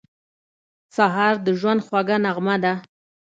سهار د ژوند خوږه نغمه ده.